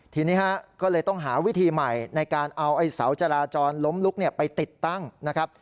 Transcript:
ทีนี้ก็เลยต้องหาวิธีใหม่ในการเอาไอ้เสาจราจรล้มลุกไปติดตั้งนะครับ